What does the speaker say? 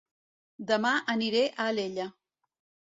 Dema aniré a Alella